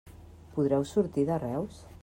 Podreu sortir de Reus?